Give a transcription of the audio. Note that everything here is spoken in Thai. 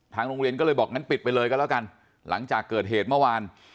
โรงเรียนก็เลยบอกงั้นปิดไปเลยก็แล้วกันหลังจากเกิดเหตุเมื่อวาน